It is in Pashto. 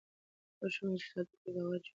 هغه ښوونکی چې صادق وي باور جوړوي.